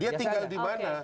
dia tinggal dimana